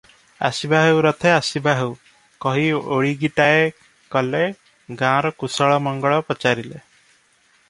"ଆସିବା ହେଉ ରଥେ, ଆସିବା ହେଉ, "କହି ଓଳଗିଟାଏ କଲେ ।ଗାଁର କୁଶଳ ମଙ୍ଗଳ ପଚାରିଲେ ।